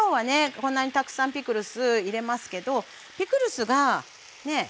こんなにたくさんピクルス入れますけどピクルスがね